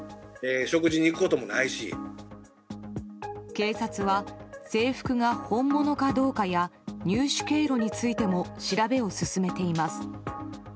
警察は、制服が本物かどうかや入手経路についても調べを進めています。